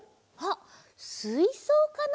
あっすいそうかな？